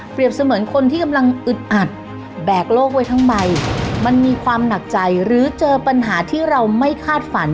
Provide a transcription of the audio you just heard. เสมือนคนที่กำลังอึดอัดแบกโลกไว้ทั้งใบมันมีความหนักใจหรือเจอปัญหาที่เราไม่คาดฝัน